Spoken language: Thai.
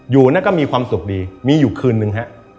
อยู่นั่นก็มีความสุขดีมีอยู่คืนนึงฮะ